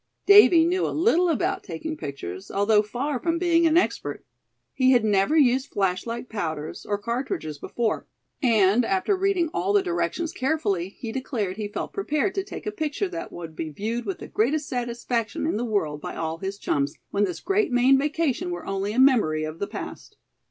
Davy knew a little about taking pictures, although far from being an expert. He had never used flashlight powders, or cartridges before; and after reading all the directions carefully, he declared he felt prepared to take a picture that would be viewed with the greatest satisfaction in the world by all his chums, when this great Maine vacation were only a memory of the past.